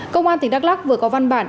công an tỉnh đắk lắc vừa có văn bản